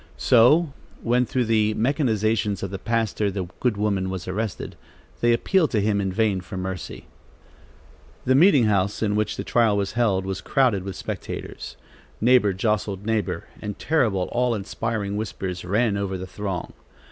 So when, through the machinations of the pastor, the good woman was arrested, they appealed to him in vain for mercy. The meeting house, in which the trial was held, was crowded with spectators. Neighbor jostled neighbor, and terrible, awe inspiring whispers ran over the throng.